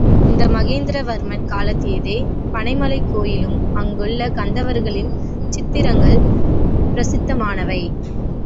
இந்த மகேந்திர வர்மன் காலத்தியதே பனைமலைக் கோயிலும் அங்குள்ள கந்தர்வர்களின் சித்திரங்கள் பிரசித்தமானவை.